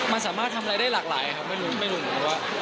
มันสามารถทำอะไรได้หลากหลายครับไม่รู้เพราะว่า